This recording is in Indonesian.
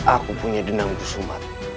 aku punya denang bersumat